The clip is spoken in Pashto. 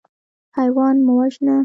حیوان مه وژنه.